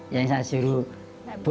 yang saya suruh